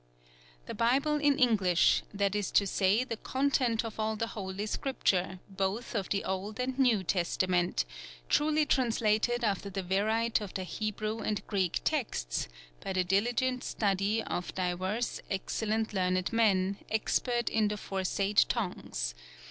"The Byble in Englyshe, that is to saye the content of all the Holy Scrypture, bothe of the Olde, and Newe Testament, truly translated after the veryte of the Hebrue and Greke textes, by the dylygent studye of dyuerse excellent learned men, expert in the forsayde tongues.